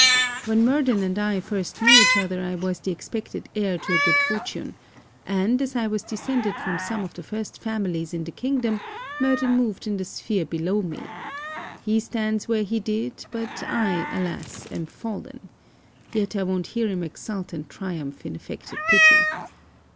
When Murden and I first knew each other, I was the expected heir to a good fortune; and, as I was descended from some of the first families in the kingdom, Murden moved in a sphere below me. He stands where he did; but I alas am fallen. Yet I won't hear him exult and triumph in affected pity.